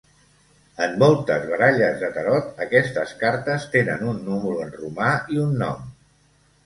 En moltes baralles de Tarot, aquestes cartes tenen un número en romà i un nom.